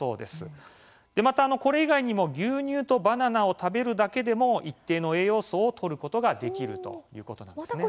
また、これ以外にも牛乳とバナナを食べるだけでも一定の栄養素をとることができるということなんですね。